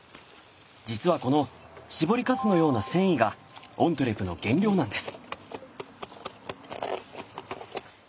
実はこの絞りかすのような繊維がオントゥレの原料なんです。